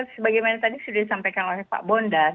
sebagai yang tadi sudah disampaikan oleh pak bondan